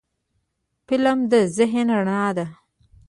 فلم د ذهن رڼا ده